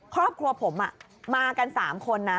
ครอบครัวผมมากัน๓คนนะ